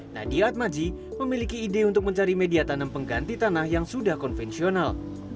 nadia atmaji memiliki ide untuk mencari media tanam pengganti tanah yang sudah konvensional